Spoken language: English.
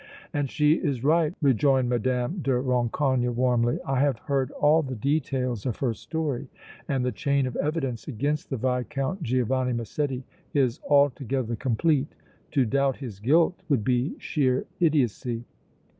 "And she is right!" rejoined Mme. de Rancogne, warmly. "I have heard all the details of her story and the chain of evidence against the Viscount Giovanni Massetti is altogether complete. To doubt his guilt would be sheer idiocy!"